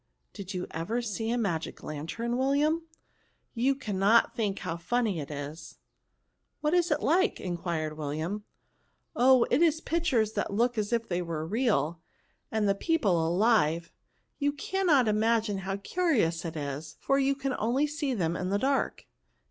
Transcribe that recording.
Did you ever see a magic lantern, William ? You cannot think how funny it is." « What is it like ?" enquired William. " Oh, it is pictures that look as if they were real, and the people MOXJNS. 153 alive ; you caiinot imagine how curious it is, for you can see them only in the daxk.